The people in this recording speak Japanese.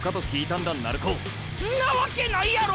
んなわけないやろ！